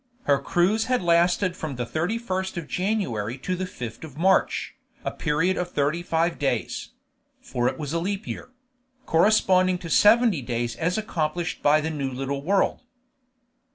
Her cruise had lasted from the 31st of January to the 5th of March, a period of thirty five days (for it was leap year), corresponding to seventy days as accomplished by the new little world.